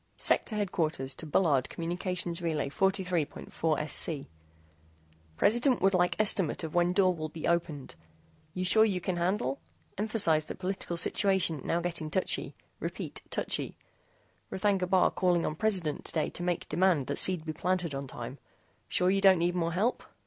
SEC HDQ BULLARD, COM. RLY. 43.4SC PRESIDENT WOULD LIKE ESTIMATE OF WHEN DOOR WILL BE OPENED. YOU SURE YOU CAN HANDLE? EMPHASIZE THAT POLITICAL SITUATION NOW GETTING TOUCHY. REPEAT TOUCHY. R'THAGNA BAR CALLING ON PRESIDENT TODAY TO MAKE DEMAND THAT SEED BE PLANTED ON TIME. SURE YOU DON'T NEED MORE HELP?